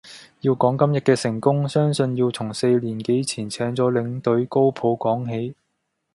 要講今日嘅成功，相信要從四年幾前請咗領隊高普講起。